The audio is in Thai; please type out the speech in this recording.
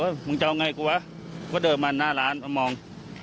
มึงจะเอาไงกูวะก็เดินมาหน้าร้านมามอง